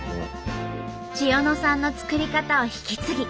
チヨノさんの作り方を引き継ぎ